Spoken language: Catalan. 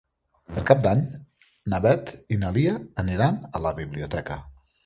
Per Cap d'Any na Beth i na Lia aniran a la biblioteca.